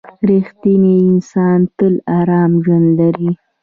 • رښتینی انسان تل ارام ژوند لري.